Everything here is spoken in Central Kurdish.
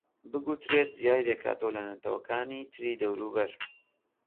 بگوترێت جیای دەکاتەوە لە نەتەوەکانی تری دەوروبەر